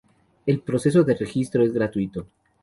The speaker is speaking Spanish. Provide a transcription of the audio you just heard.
El proceso de registro es gratuito.